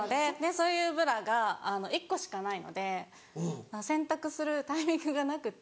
そういうブラが１個しかないので洗濯するタイミングがなくって。